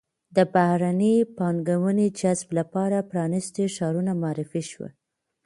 د بهرنۍ پانګونې جذب لپاره پرانیستي ښارونه معرفي شول.